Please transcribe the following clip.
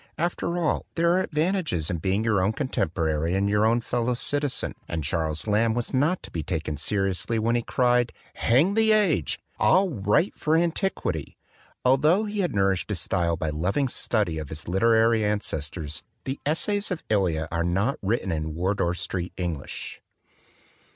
After all, there are ad vantages in being your own contemporary and your own fellow citizen; and Charles Lamb was not to be taken seriously when he cried, "Hang the age! I'll write for antiquity !" Altho he had nourished his style by loving study of his literary ancestors, the l Essays of EhV are not written in Wardour street English.